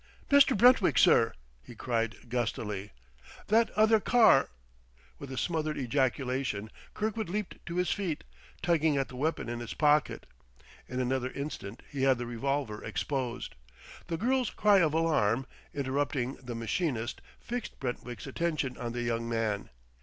"Mr. Brentwick, sir!" he cried gustily. "That other car " With a smothered ejaculation Kirkwood leaped to his feet, tugging at the weapon in his pocket. In another instant he had the revolver exposed. The girl's cry of alarm, interrupting the machinist, fixed Brentwick's attention on the young man.